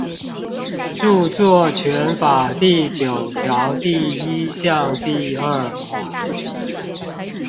著作權法第九條第一項第二款